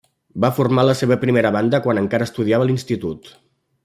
Va formar la seva primera banda quan encara estudiava a l'institut.